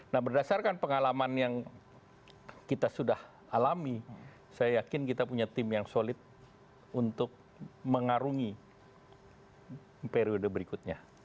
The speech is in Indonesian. nah berdasarkan pengalaman yang kita sudah alami saya yakin kita punya tim yang solid untuk mengarungi periode berikutnya